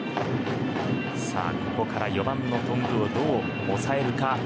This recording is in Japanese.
ここから４番の頓宮をどう抑えるか。